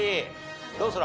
どうする？